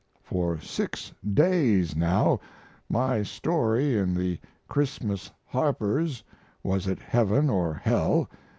For 6 days now my story in the Christmas Harper's "Was it Heaven? or Hell?"